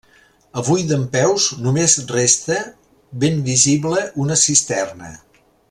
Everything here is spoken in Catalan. Avui dempeus només resta ben visible una cisterna.